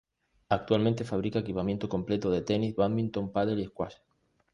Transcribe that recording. Actualmente fabrica equipamiento completo de Tenis, Bádminton, Pádel y Squash.